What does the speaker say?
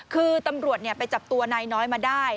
คือตำรวจไปจับตัวนายน้อยมาได้